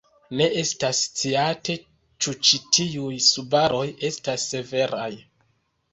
Ne estas sciate ĉu ĉi tiuj subaroj estas severaj.